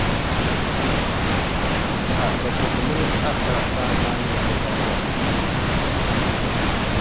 Di saha ka Kofi mini Atta daa baai yaɣi dabɔbʼ.